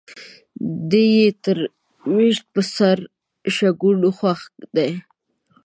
دى يې تر ويش په سر شکوني خوښ دى.